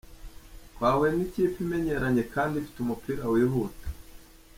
Twahuye n’ikipe imenyeranye kandi ifite umupira wihuta.